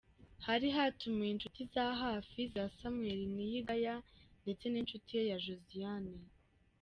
Hari hatumiwe inshuti za hafi za Samuel Niyigaya ndetse n'iz'inshuti ye Josiane.